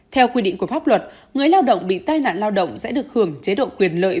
theo quy định của pháp luật người lao động bị tai nạn lao động sẽ được hưởng chế độ quyền lợi